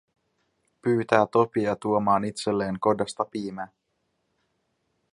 Pyytää Topia tuomaan itselleen kodasta piimää.